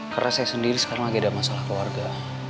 karena saya sendiri sekarang lagi ada masalah keluarga